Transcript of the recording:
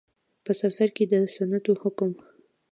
په. سفر کې د سنتو حکم